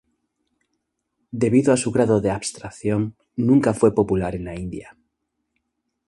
Debido a su grado de abstracción nunca fue popular en la India.